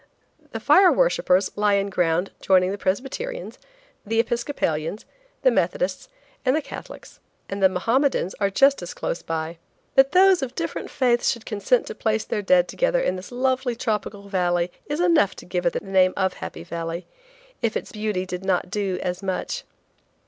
The Fire Worshipers lie in ground joining the Presbyterians, the Episcopalians, the Methodists and the Catholics, and Mahommedans are just as close by. That those of different faiths should consent to place their dead together in this lovely tropical valley is enough to give it the name of Happy Valley, if its beauty did not do as much.